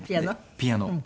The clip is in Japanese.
ピアノ。